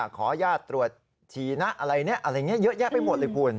ขอยาดตรวจชีนะอะไรนี้เยอะแยะไปหมดเลยคุณ